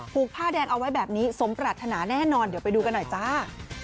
ผ้าแดงเอาไว้แบบนี้สมปรารถนาแน่นอนเดี๋ยวไปดูกันหน่อยจ้า